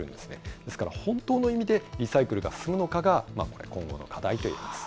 ですから、本当の意味でリサイクルが進むのかがこれ、今後の課題